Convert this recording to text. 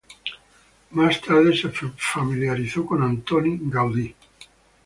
Más tarde se familiarizó con Antoni Gaudí.